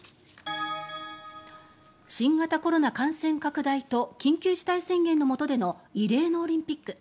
新型コロナ感染拡大と緊急事態宣言のもとでの異例のオリンピック。